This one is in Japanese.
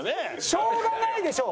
しょうがないでしょ！